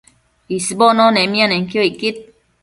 isbono nemianenquio icquid